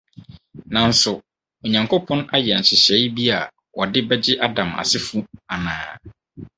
Nanso, Onyankopɔn ayɛ nhyehyɛe bi a ɔde begye Adam asefo anaa?